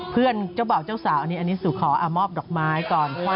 เพื่อนเจ้าบ่าวเจ้าสาวอันนี้สุขออามอบดอกไม้ก่อน